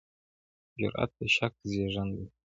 جرئت د شک زېږنده دی.